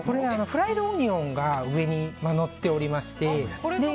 フライドオニオンが上にのっておりまして。